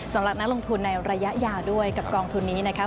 สำหรับนักลงทุนในระยะยาวด้วยกับกองทุนนี้นะครับ